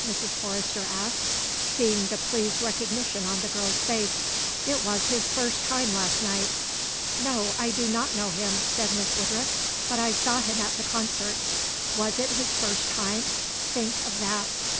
Mrs. Forrester asked, seeing the pleased recognition on the girl's face. "It was his first time last night." "No, I do not know him," said Miss Woodruff, "but I saw him at the concert. Was it his first time? Think of that."